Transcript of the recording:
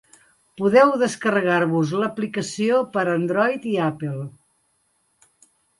Podeu descarregar-vos l'aplicació per Android i Apple.